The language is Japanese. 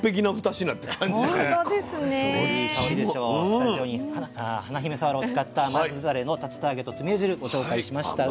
スタジオに華姫さわらを使った甘酢だれの竜田揚げとつみれ汁ご紹介しました。